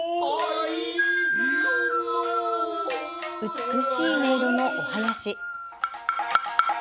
美しい音色のお囃子。